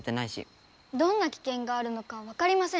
どんなきけんがあるのかわかりません。